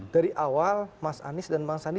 dari awal mas anies dan bang sandi